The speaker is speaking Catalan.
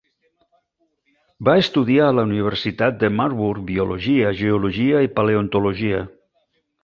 Va estudiar a la Universitat de Marburg Biologia, Geologia i Paleontologia.